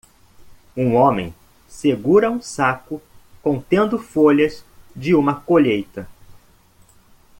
Um homem segura um saco contendo folhas de uma colheita